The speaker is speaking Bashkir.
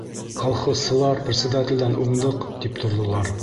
Колхозсылар, председателдән уңдыҡ, тип торҙолар.